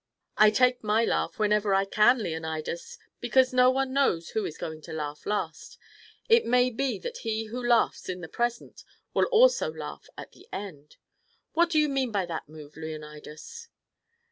"I take my laugh whenever I can, Leonidas, because no one knows who is going to laugh last. It may be that he who laughs in the present will also laugh at the end. What do you mean by that move, Leonidas?"